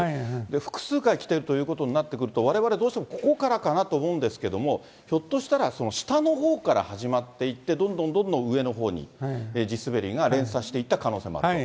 複数回、来てるということになってくると、われわれどうしてもここからかなと思うんですけれども、ひょっとしたら、下の方から始まっていって、どんどんどんどん上のほうに、地滑りが連鎖していった可能性もあると。